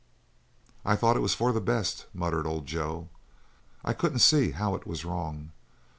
"I thought it was for the best," muttered old Joe. "I couldn't see how it was wrong.